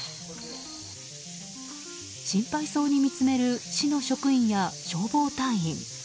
心配そうに見つめる市の職員や消防隊員。